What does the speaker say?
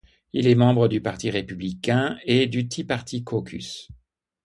Il est membre du Parti Républicain et du Tea Party Caucus.